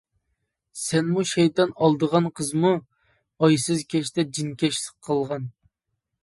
سەنمۇ، شەيتان ئالدىغان قىزمۇ؟ ئايسىز كەچتە جىنكەشلىك قىلغان.